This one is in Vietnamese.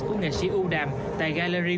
của nghệ sĩ u đàm tại gallery